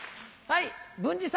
はい。